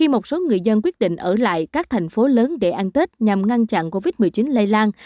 một số người dân quyết định ở lại các thành phố lớn để ăn tết nhằm ngăn chặn covid một mươi chín lây lan